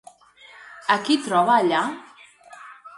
A qui troba allà?